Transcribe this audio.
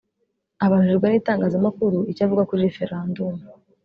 Abajijwe n’itangazamakuru icyo avuga kuri referandumu